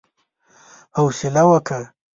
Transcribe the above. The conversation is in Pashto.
حوصله وکه!